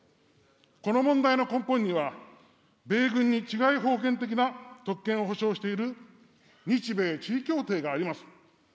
この問題の根本には、米軍に治外法権的な特権を保障している日米地位協定があります。